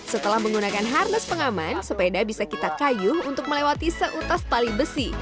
setelah menggunakan harness pengaman sepeda bisa kita kayuh untuk melewati seutas tali besi